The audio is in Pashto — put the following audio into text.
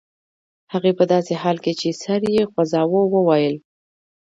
هغې په داسې حال کې چې سر یې خوځاوه وویل